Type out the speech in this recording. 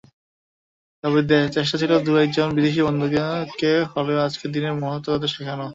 তবে চেষ্টা ছিল দু–একজন বিদেশি বন্ধুকে হলেও আজকের দিনের মহত্ত্ব তাদের শেখানো।